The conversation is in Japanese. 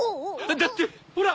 だってほら。